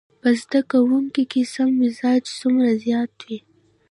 په زده کوونکي کې سم مزاج څومره زيات وي.